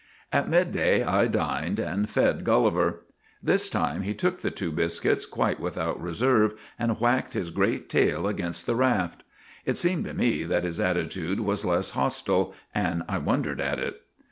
" At midday I dined, and fed Gulliver. This time he took the two biscuits quite without reserve and whacked his great tail against the raft. It seemed to me that his attitude was less hostile, and I wondered at it.